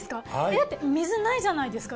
だって水ないじゃないですか。